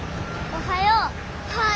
おはよう。